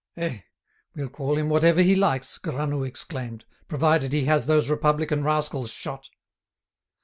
"Eh! we'll call him whatever he likes," Granoux exclaimed, "provided he has those Republican rascals shot!"